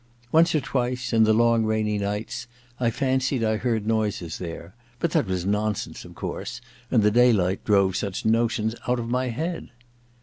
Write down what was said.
Once or twice, in the long rainy nights, I fancied I heard noises there ; but that was nonsense, of course, and the daylight drove such notions out of my head.